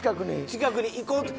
近くに行こうと。